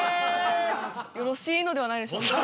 よろしいのではないでしょうか。